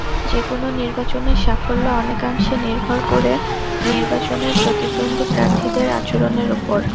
যেকোনো নির্বাচনের সাফল্য অনেকাংশে নির্ভর করে নির্বাচনের প্রতিদ্বন্দ্বী প্রার্থীদের আচরণের ওপর।